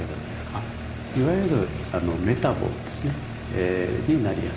いわゆるメタボですねになりやすい。